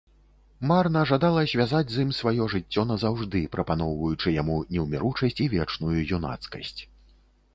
Марна жадала звязаць з ім сваё жыццё назаўжды, прапаноўваючы яму неўміручасць і вечную юнацкасць.